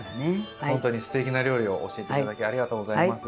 本当にすてきな料理を教えて頂きありがとうございます。